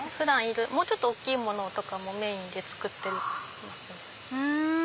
もうちょっと大きいものとかもメインで作ってますね。